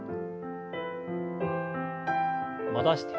戻して。